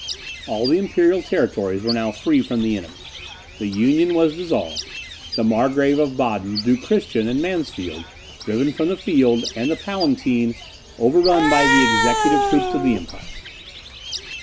All the imperial territories were now free from the enemy; the Union was dissolved; the Margrave of Baden, Duke Christian, and Mansfeld, driven from the field, and the Palatinate overrun by the executive troops of the empire.